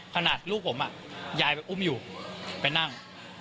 ขนาดลูกผมยายอุ้มอยู่ไปนั่ง